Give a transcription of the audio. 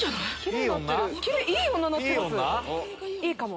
いいかも。